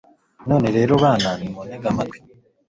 none rero, bana, nimuntege amatwi